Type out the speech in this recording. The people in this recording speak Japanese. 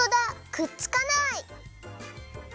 くっつかない！